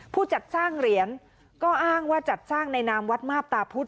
ผู้จัดสร้างเหรียญก็อ้างว่าจัดสร้างในนามวัดมาบตาพุธ